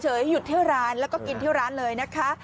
อยู่เฉยหยุดที่ร้านแล้วก็กินที่ร้านเลยนะคะ